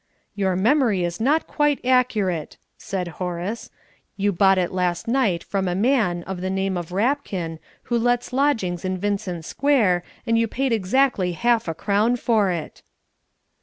"Your memory is not quite accurate," said Horace. "You bought it last night from a man of the name of Rapkin, who lets lodgings in Vincent Square, and you paid exactly half a crown for it."